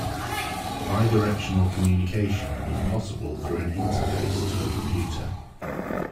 Bi-directional communication was possible through an interface to a computer.